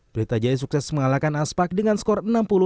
pelita jaya sukses mengalahkan aspak dengan skor enam puluh lima puluh lima